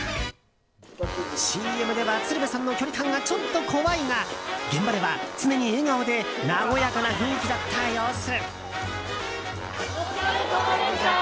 ＣＭでは鶴瓶さんの距離感がちょっと怖いが現場では常に笑顔で和やかな雰囲気だった様子。